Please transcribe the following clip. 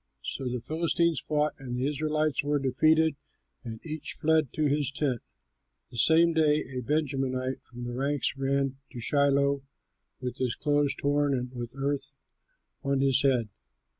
So the Philistines fought, and the Israelites were defeated and each fled to his tent. The same day a Benjamite from the ranks ran to Shiloh with his clothes torn and with earth on his head.